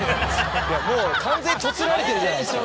もう完全に凸られてるじゃないですか。